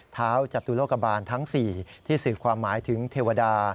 เท้าจตุโลกบาลทั้ง๔ที่สื่อความหมายถึงเทวดา